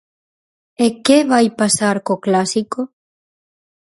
E que vai pasar co clásico?